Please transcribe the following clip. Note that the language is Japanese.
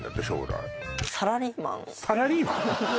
サラリーマン？